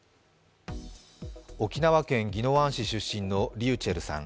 沖縄県宜野湾市出身のｒｙｕｃｈｅｌｌさん。